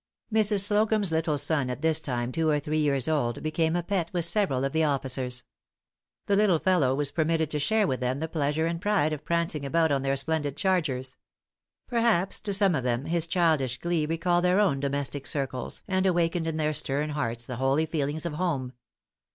Mrs. Slocumb's little son, at this time two or three years old, became a pet with several of the officers. The little fellow was permitted to share with them the pleasure and pride of prancing about on their splendid chargers. Perhaps to some of them his childish glee recalled their own domestic circles, and awakened in their stern hearts the holy feelings of home.